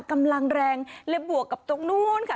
กำลังแรงและบวกกับตรงนู้นค่ะ